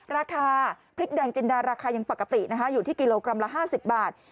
ราคาพริกแดงจินดาราคายังปกตินะคะอยู่ที่กิโลกรัมละ๕๐บาท